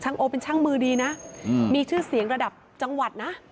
โอ๊เป็นช่างมือดีนะมีชื่อเสียงระดับจังหวัดนะ